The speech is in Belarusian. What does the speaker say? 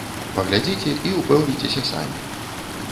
Паглядзіце і ўпэўніцеся самі.